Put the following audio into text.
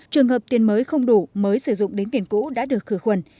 trường hợp tiền mới không đủ mới sử dụng đến tiền cũ đã được khử khuẩn